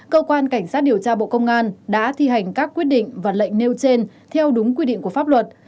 cơ quan cảnh sát điều tra bộ công an đã thi hành các quyết định và lệnh nêu trên theo đúng quy định của pháp luật